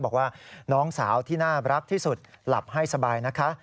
บอกว่าน้องสาวที่น่ารักที่สุดหลับให้สบายนะคะ